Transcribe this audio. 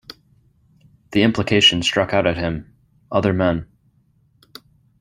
The implication struck out at him — other men.